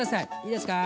いいですか。